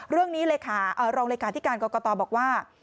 เรื่องนี้เลยค่ะรองรายการที่การกตบอกว่า